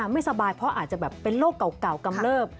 ไม่สบายเพราะอาจจะแบบเป็นโรคเก่ากำเลิบ